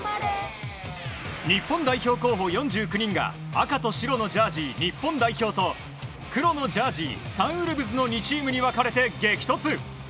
日本代表候補４９人が赤と白のジャージー日本代表と黒のジャージー、サンウルブズのチームに分かれて激突。